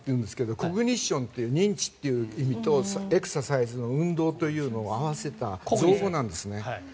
コグニッションという認知という意味とエクササイズの運動を合わせた造語なんですね。